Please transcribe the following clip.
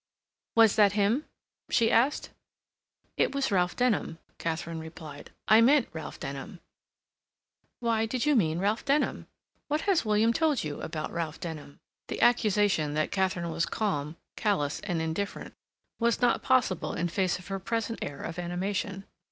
"Was that him?" she asked. "It was Ralph Denham," Katharine replied. "I meant Ralph Denham." "Why did you mean Ralph Denham? What has William told you about Ralph Denham?" The accusation that Katharine was calm, callous, and indifferent was not possible in face of her present air of animation.